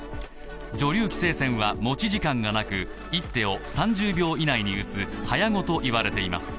女流棋聖戦は持ち時間がなく１手を３０秒以内に打つ早碁と呼ばれています。